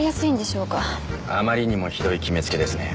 あまりにもひどい決めつけですね